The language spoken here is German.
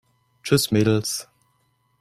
Tschüss, Mädels!